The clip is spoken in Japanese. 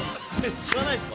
知らないですか？